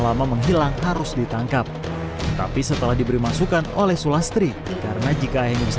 lama menghilang harus ditangkap tapi setelah diberi masukan oleh sulastri karena jika ayahnya bisa